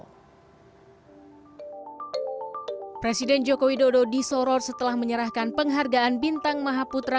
langkah presiden joko widodo menerima penghargaan bintang mahaputra